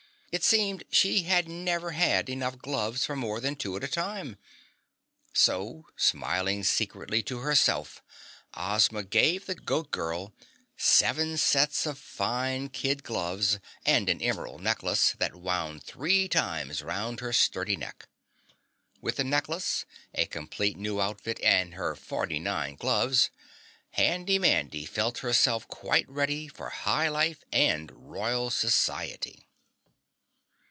It seemed she had never had enough gloves for more than two at a time. So, smiling secretly to herself, Ozma gave the Goat Girl seven sets of fine kid gloves and an emerald necklace that wound three times round her sturdy neck. With the necklace, a complete new outfit and her forty nine gloves, Handy Mandy felt herself quite ready for high life and royal society.